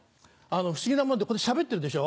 不思議なもんでここでしゃべってるでしょ？